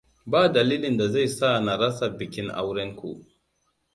Ba dalilin da zai sa na rasa bikin aurenku.